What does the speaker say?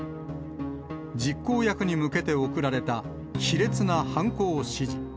実行役に向けて送られた卑劣な犯行指示。